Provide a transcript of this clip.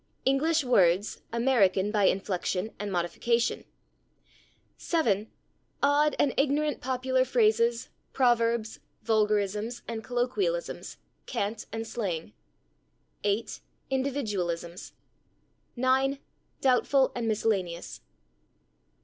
English words, American by inflection and modification. 7. Odd and ignorant popular phrases, proverbs, vulgarisms, and colloquialisms, cant and slang. 8. Individualisms. 9. Doubtful and miscellaneous.